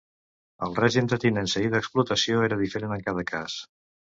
El règim de tinença i d'explotació era diferent en cada cas.